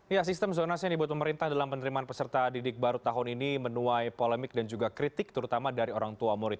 ya sistem zonasi yang dibuat pemerintah dalam penerimaan peserta didik baru tahun ini menuai polemik dan juga kritik terutama dari orang tua murid